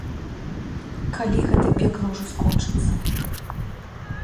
Калі гэта пекла ўжо скончыцца?